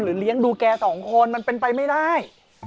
เลี้ยงดูแกสองคนมันเป็นไปไม่ได้